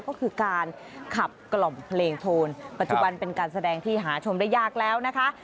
ก็คือการขับกล่อมเพลงโทนปัจจุบันเป็นการแสดงที่หาชมได้ยากแล้วนะคะ